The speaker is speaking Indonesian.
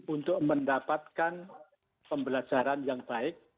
untuk mendapatkan pembelajaran yang baik